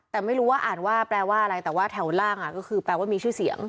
แต่ไม่รู้ว่าอ่านว่าแปลว่าอะไรแต่ว่าแถวล่างก็คือแปลว่ามีชื่อเสียง